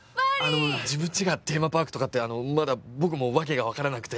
あの自分ちがテーマパークとかってまだ僕も訳が分からなくて。